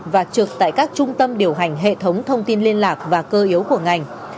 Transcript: và trực tại các trung tâm điều hành hệ thống thông tin liên lạc và cơ yếu của ngành